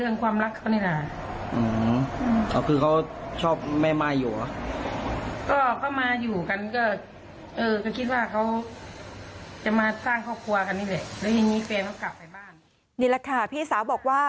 นี่แหละค่ะพี่สาวบอกว่า